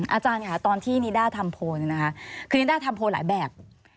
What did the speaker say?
อาจารย์ค่ะตอนที่นิด้าทำโพลเนี่ยนะคะคือนิด้าทำโพลหลายแบบ